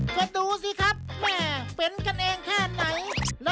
ก็ดูสิครับแม่เป็นกันเองแค่ไหน